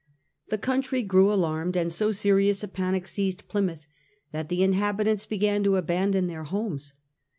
The country grew alarmed, and so serious a panic seized Plymouth that the inhabitants began to abandon their homes.